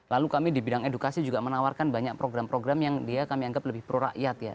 lalu kami di bidang edukasi juga menawarkan banyak program program yang dia kami anggap lebih pro rakyat ya